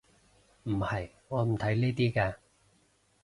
唔係，我唔睇呢啲嘅